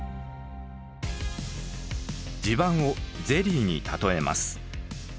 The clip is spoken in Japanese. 地盤をゼリーに例えます。